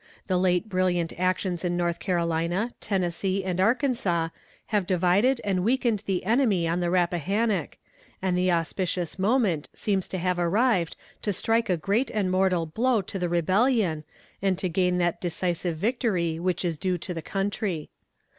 The late brilliant actions in North Carolina, Tennessee and Arkansas, have divided and weakened the enemy on the Rappahannock, and the auspicious moment seems to have arrived to strike a great and mortal blow to the rebellion, and to gain that decisive victory which is due to the country.